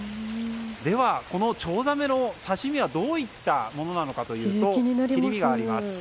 では、このチョウザメの刺し身はどういったものなのかというと切り身があります。